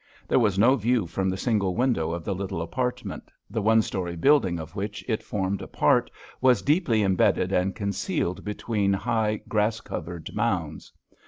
There was no view from the single window of the little apartment, the one story building of which it formed a part was deeply embedded and concealed between high grass covered mounds.